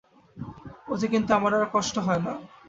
ওতে কিন্তু আমার আর কষ্ট হয় না।